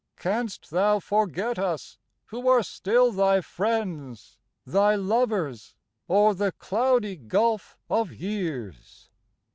Canst thou forget us who are still thy friends, Thy lovers, o'er the cloudy gulf of years?